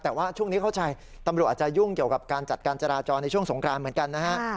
แต่ว่าช่วงนี้เข้าใจตำรวจอาจจะยุ่งเกี่ยวกับการจัดการจราจรในช่วงสงครานเหมือนกันนะฮะ